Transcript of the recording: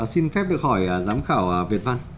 xin phép được hỏi giám khảo việt văn